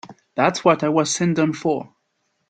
That's what I was sent down for.